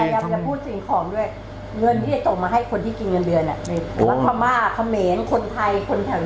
อย่าพูดสิ่งของด้วยเงื่อนไม่ได้ตกมาให้คนที่กินเงินเดือนบุรุษคามาคมีนคนไทยคนแถวนี้